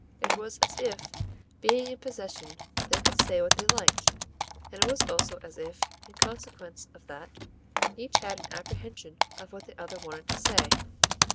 It was as if, being in possession, they could say what they liked; and it was also as if, in consequence of that, each had an apprehension of what the other wanted to say.